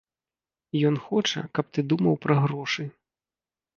Ён хоча, каб ты думаў пра грошы.